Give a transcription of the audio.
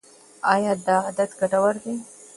ایا دا عادت ګټور دی؟